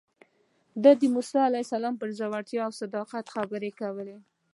ده د موسی علیه السلام پر زړورتیا او صداقت خبرې کولې.